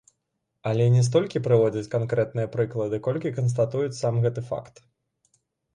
Але не столькі прыводзяць канкрэтныя прыклады, колькі канстатуюць сам гэты факт.